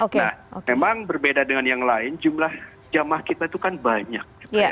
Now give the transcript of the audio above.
nah memang berbeda dengan yang lain jumlah jamaah kita itu kan banyak